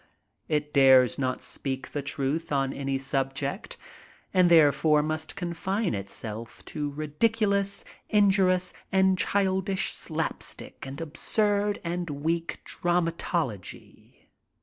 It dares not speak the truth on any subject, and dierefore must confine itself to ridiculous, in jurious and childish slap stick and absurd and weak dramatology.